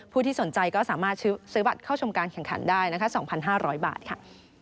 ที่สนใจก็สามารถซื้อบัตรเข้าชมการแข่งขันได้นะคะ๒๕๐๐บาทค่ะ